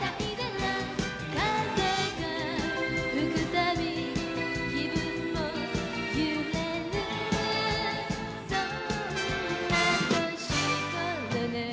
「風が吹くたび気分も揺れるそんな年頃ね」